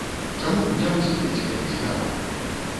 Чаму б не выступіць, калі цікава?